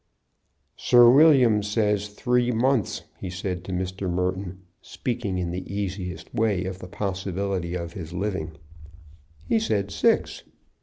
"Sir William says three months," he said to Mr. Merton, speaking in the easiest way of the possibility of his living. "He said six."